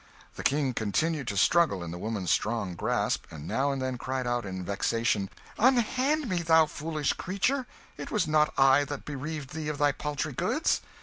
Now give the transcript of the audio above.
The King continued to struggle in the woman's strong grasp, and now and then cried out in vexation "Unhand me, thou foolish creature; it was not I that bereaved thee of thy paltry goods."